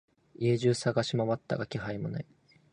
家中探しまわったが気配もない。